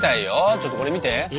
ちょっとこれ見て。